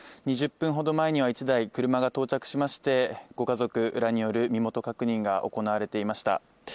２０分ほど前には１台車が到着しまして、ご家族らによる身元確認が行われていました。